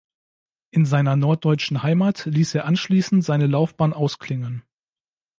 In seiner norddeutschen Heimat ließ er anschließend seine Laufbahn ausklingen.